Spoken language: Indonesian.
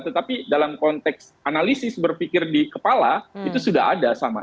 tetapi dalam konteks analisis berpikir di kepala itu sudah ada sama